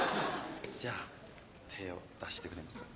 じゃ手を出してくれますか？